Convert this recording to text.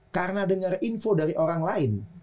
karena dengar info dari orang lain